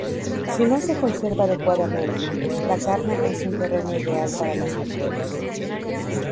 Si no se conserva adecuadamente, la carne es un terreno ideal para las bacterias.